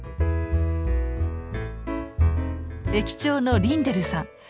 駅長のリンデルさん。